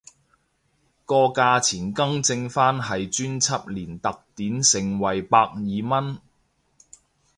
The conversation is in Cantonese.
個價錢更正返係專輯連特典盛惠百二蚊